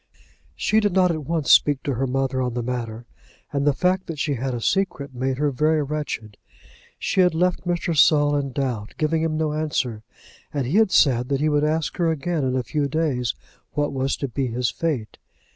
She did not at once speak to her mother on the matter, and the fact that she had a secret made her very wretched. She had left Mr. Saul in doubt, giving him no answer, and he had said that he would ask her again in a few days what was to be his fate.